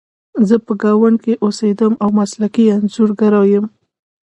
زه په ګاونډ کې اوسیدم او مسلکي انځورګره یم